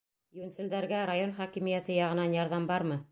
Йүнселдәргә район хакимиәте яғынан ярҙам бармы?